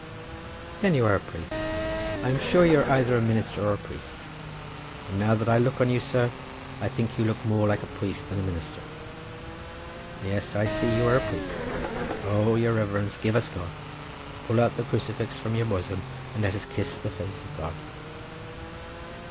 "Then you are a priest; I am sure that you are either a minister or a priest; and now that I look on you, sir, I think you look more like a priest than a minister. Yes, I see you are a priest. Oh, your Reverence, give us God! pull out the crucifix from your bosom, and let us kiss the face of God!"